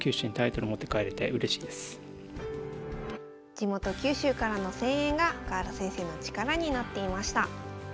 地元九州からの声援が深浦先生の力になっていました。